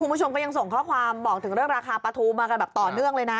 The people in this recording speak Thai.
คุณผู้ชมก็ยังส่งข้อความบอกถึงเรื่องราคาปลาทูมากันแบบต่อเนื่องเลยนะ